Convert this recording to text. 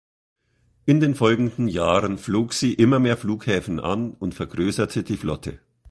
In den folgenden Jahren flog sie immer mehr Flughäfen an und vergrößerte die Flotte.